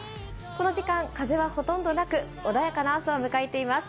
この時間、風はほとんどなく穏やかな朝を迎えています。